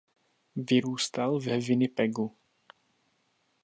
Vyrůstal ve Winnipegu.